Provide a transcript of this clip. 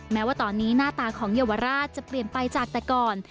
แม้ว่าตอนนี้หน้าตาของเยาวราชจะเปลี่ยนไปจากแต่ก่อน